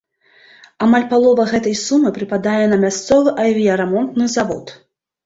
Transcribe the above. Амаль палова гэтай сумы прыпадае на мясцовы авіярамонтны завод.